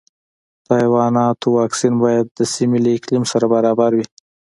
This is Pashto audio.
د حیواناتو واکسین باید د سیمې له اقلیم سره برابر وي.